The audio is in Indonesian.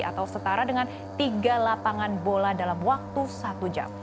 atau setara dengan tiga lapangan bola dalam waktu satu jam